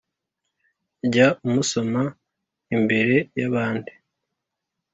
jya umusoma imbere y’abandi